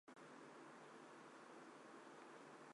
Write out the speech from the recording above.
湄公河流入安江省后分前江与后江。